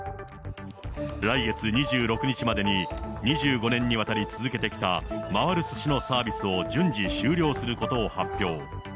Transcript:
来月２６日までに、２５年にわたり続けてきた回るすしのサービスを順次終了することを発表。